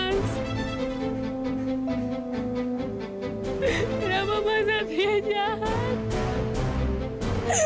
hai selama ya apa mas